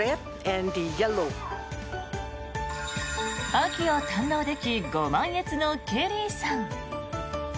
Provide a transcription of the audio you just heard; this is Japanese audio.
秋を堪能できご満悦のケリーさん。